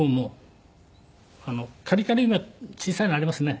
カリカリ梅小さいのありますね